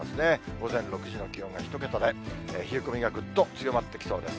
午前６時の気温が１桁で、冷え込みがぐっと強まってきそうです。